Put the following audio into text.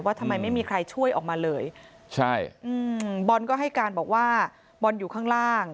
ทำไมไม่มีใครช่วยออกมาเลยใช่อืมบอลก็ให้การบอกว่าบอลอยู่ข้างล่าง